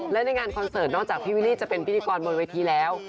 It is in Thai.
และในงานคอนเสิร์ตนอกจากพี่วิลลี่จะเป็นพิธีกรบนเวทีแล้ว